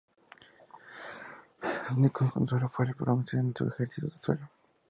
Su único consuelo fue el bronce en su ejercicio de suelo.